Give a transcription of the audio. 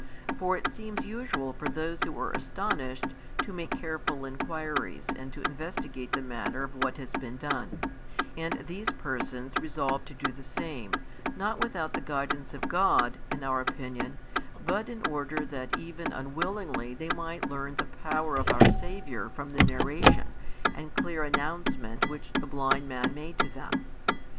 For it seems usual for those who are astonished to make careful inquiries and to investigate the manner of what has been done; and these persons resolved to do the same, not without the guidance of God, in our opinion, bnt in order that even unwillingly they might learn the power of Our Saviour from the narration and clear announcement which the blind man made to them.